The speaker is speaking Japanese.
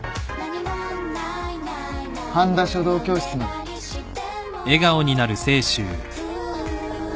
半田書道教室まで。